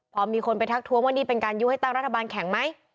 พอมีคนไปทักทวงว่านี่เป็นการยุให้ตั้งรัฐบาลแข็งไหม